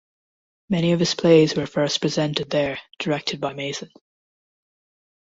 Many of his plays were first presented there, directed by Mason.